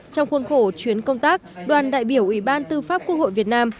trong khuôn khổ chuyến công tác đoàn đại biểu ủy ban tư pháp quốc hội việt nam